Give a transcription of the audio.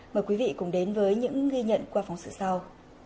mời quý vị cùng đến với những ghi nhận qua phóng sự sau